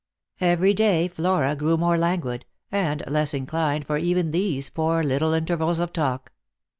Every day Flora grew more languid, and less inclined for even these poor little intervals of talk.